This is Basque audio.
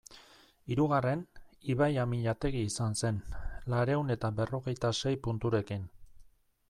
Hirugarren, Ibai Amillategi izan zen, laurehun eta berrogeita sei punturekin.